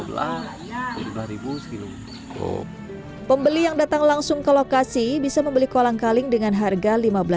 berbual rp lima belas pembeli yang datang langsung ke lokasi bisa membeli kolang kaling dengan harga